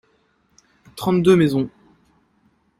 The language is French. trente deux maisons.